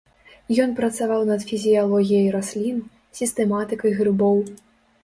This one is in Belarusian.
Ён працаваў над фізіялогіяй раслін, сістэматыкай грыбоў.